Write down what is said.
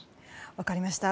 分かりました。